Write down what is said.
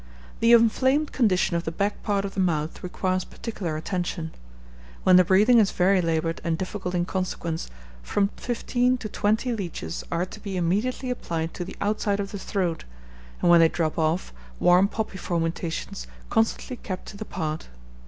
The inflamed condition of the back part of the mouth requires particular attention. When the breathing is very laboured and difficult in consequence, from fifteen to twenty leeches are to be immediately applied to the outside of the throat, and when they drop off, warm poppy fomentations constantly kept to the part.